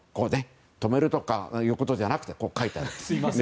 止めるとかということじゃなくこう書いてあります。